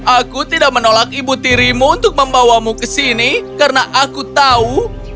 aku tidak menolak ibu tirimu untuk membawamu ke sini karena aku tahu